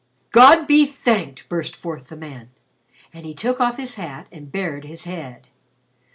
"God be thanked!" burst forth the man. And he took off his hat and bared his head.